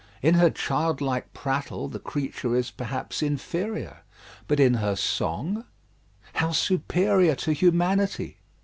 In her childlike prattle, the creature is, perhaps, inferior; but in her song, how superior to humanity!